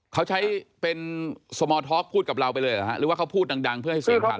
เขาใช้เป็นสมอทอล์กพูดกับเราไปเลยหรือว่าเขาพูดดังเพื่อให้เสียงฟัง